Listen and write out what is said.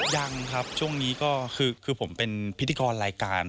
ยังครับช่วงนี้ก็คือผมเป็นพิธีกรรายการ